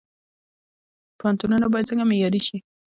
پوهنتونونه باید څنګه معیاري شي؟